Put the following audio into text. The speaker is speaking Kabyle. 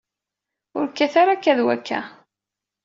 Ur kkat ara akka d wakka.